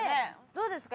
どうですか？